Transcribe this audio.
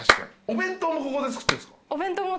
お弁当もここで作ってんすか？